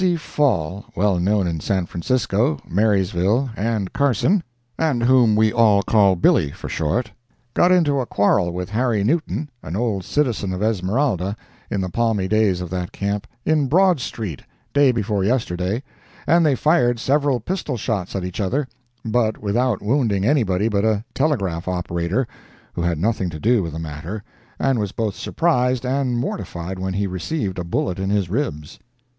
C. Fall, well known in San Francisco, Marysville and Carson, and whom we all call "Billy" for short, got into a quarrel with Harry Newton, an old citizen of Esmeralda in the palmy days of that camp, in Broad street, day before yesterday, and they fired several pistol shots at each other, but without wounding anybody but a telegraph operator, who had nothing to do with the matter, and was both surprised and mortified when he received a bullet in his ribs.